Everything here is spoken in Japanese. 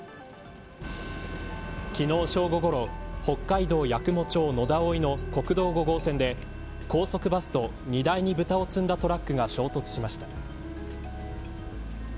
昨日、正午ごろ北海道八雲町野田生の国道５号線で高速バスと、荷台に豚を積んだトラックが衝突しました。